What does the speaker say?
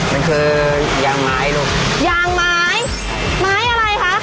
มันคือยางไม้ลูกยางไม้ไม้อะไรคะ